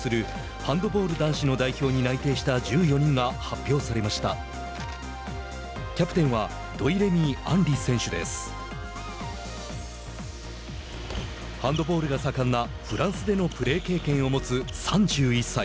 ハンドボールが盛んなフランスでのプレー経験を持つ３１歳。